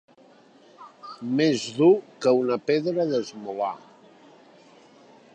Més dur que una pedra d'esmolar.